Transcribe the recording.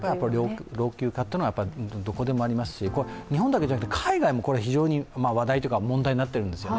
老朽化というのはどこでもありますし、日本だけではなくて海外も非常に話題、問題になっているんですよね